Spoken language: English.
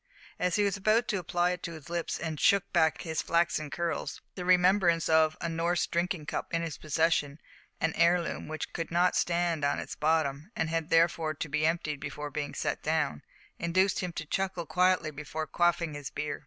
As he was about to apply it to his lips, and shook back his flaxen curls, the remembrance of, a Norse drinking cup in his possession an heirloom, which could not stand on its bottom, and had therefore to be emptied before being set down, induced him to chuckle quietly before quaffing his beer.